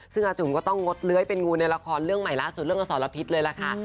ซึ่งอาจุ๋มก็ต้องงดเลื้อยเป็นงูในละครเรื่องใหม่ล่าสุดเรื่องอสรพิษเลยล่ะค่ะ